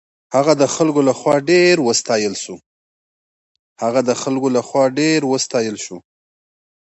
هغه د خلکو له خوا ډېر وستایل شو.